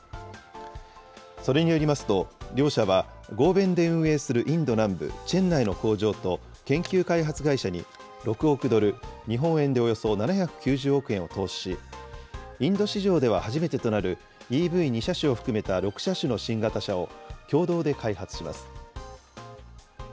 それによりますと、両社は合弁で運営するインド南部チェンナイの工場と、研究開発会社に、６億ドル、日本円でおよそ７９０億円を投資し、インド市場では初めてとなる、ＥＶ２車種を含めた６車種の新型車を共同で開発します。